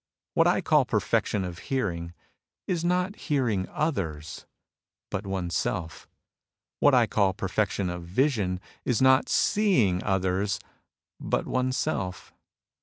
What. I call perfection of hearing is not hearing others, but oneself. What I call perfection of vision is not seeing others, but oneself.